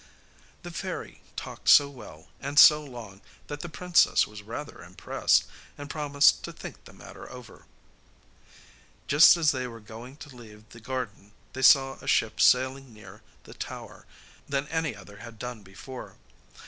The fairy talked so well and so long that the princess was rather impressed, and promised to think the matter over. Just as they were going to leave the garden they saw a ship sailing nearer the tower than any other had done before.